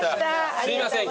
すいません